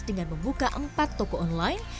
dengan membuka empat toko online